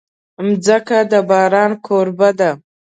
مځکه د باران کوربه ده.